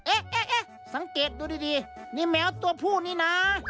เอ๊ะสังเกตดูดีนี่แมวตัวผู้นี้นะ